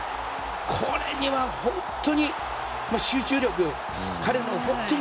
これには、本当に集中力がいる。